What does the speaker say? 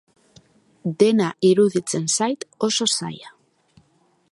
Dena iruditzen zait oso zaila.